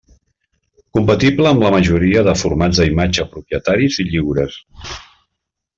Compatible amb la majoria de formats d'imatge propietaris i lliures.